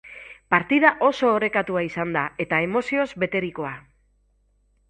Partida oso orekatua izan da, eta emozioz beterikoa.